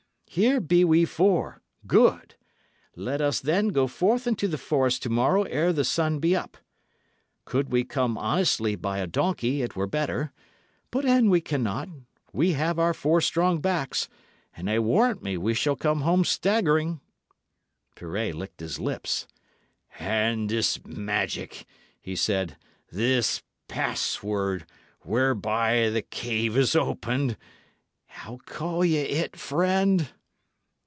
Here be we four; good! Let us, then, go forth into the forest to morrow ere the sun be up. Could we come honestly by a donkey, it were better; but an we cannot, we have our four strong backs, and I warrant me we shall come home staggering." Pirret licked his lips. "And this magic," he said "this password, whereby the cave is opened how call ye it, friend?"